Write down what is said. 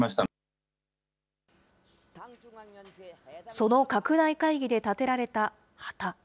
その拡大会議で立てられた旗。